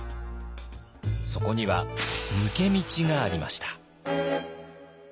そこには抜け道がありました。